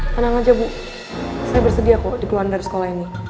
tenang aja bu saya bersedia kok keluar dari sekolah ini